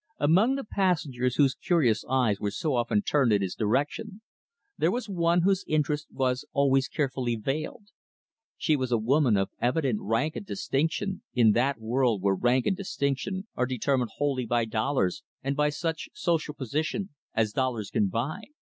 Among the passengers whose curious eyes were so often turned in his direction, there was one whose interest was always carefully veiled. She was a woman of evident rank and distinction in that world where rank and distinction are determined wholly by dollars and by such social position as dollars can buy.